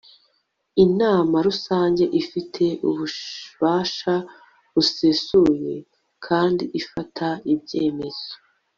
inama rusange ifite ububasha busesuye kandi ifata ibyemezo